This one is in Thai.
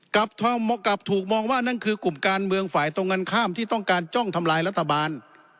กลับถูกมองว่านั่นคือกลุ่มการเมืองฝ่ายตรงกันข้ามที่ต้องการจ้องทำลายรัฐบาล